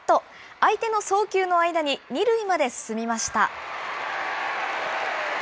相手の送球の間に、２塁まで進みました。